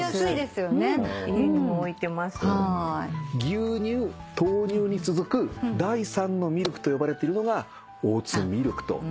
牛乳豆乳に続く第三のミルクと呼ばれてるのがオーツミルクと。